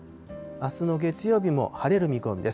あすの月曜日も晴れる見込みです。